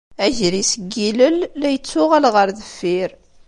Agris n yilel la yettuɣal ɣer deffir.